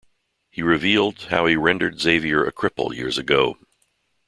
He revealed how he rendered Xavier a cripple years ago.